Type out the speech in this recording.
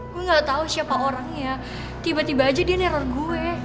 gue gak tau siapa orangnya tiba tiba aja dia neror gue